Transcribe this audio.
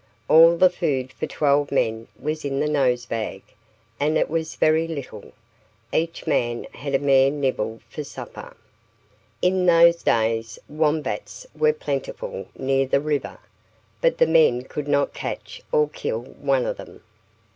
All the food for twelve men was in the nosebag, and it was very little; each man had a mere nibble for supper. In those days wombats were plentiful near the river, but the men could not catch or kill one of them.